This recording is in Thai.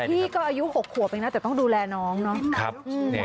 พี่ก็อายุ๖ขวบเองนะแต่ต้องดูแลน้องเนาะ